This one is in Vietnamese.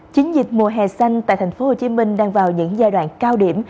chiến dịch mùa hè xanh tại tp hcm đang vào những giai đoạn cao điểm